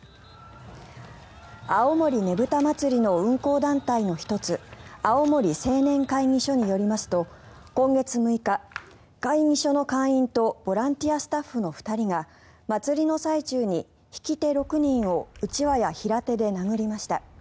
青森ねぶた祭の運行団体の１つ青森青年会議所によりますと今月６日、会議所の会員とボランティアスタッフの２人が祭りの最中に引き手６人をうちわや平手で殴りました。